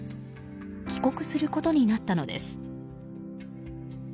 帰国することになったのです。